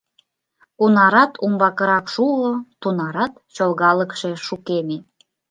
Кунарат умбакырак шуо, тунарат чолгалыкше шукеме.